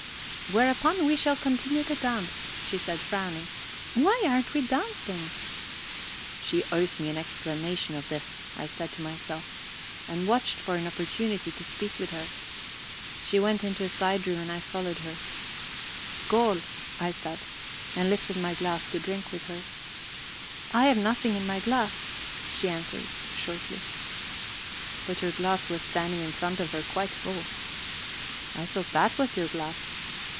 "Whereupon we shall continue the dance," she said, frowning. "Why aren't we dancing?" "She owes me an explanation of this," I said to myself, and watched for an opportunity to speak with her. She went into a side room, and I followed her. "Skaal," I said, and lifted a glass to drink with her. "I have nothing in my glass," she answered shortly. But her glass was standing in front of her, quite full. "I thought that was your glass."